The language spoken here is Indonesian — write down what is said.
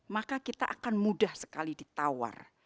maka kita akan mudah sekali ditawar